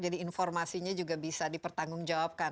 jadi informasinya juga bisa dipertanggung jawabkan